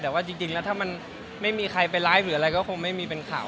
แต่ว่าจริงแล้วถ้ามันไม่มีใครไปไลฟ์หรืออะไรก็คงไม่มีเป็นข่าว